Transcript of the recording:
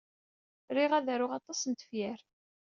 Riɣ ad d-aruɣ aṭas n tefyar.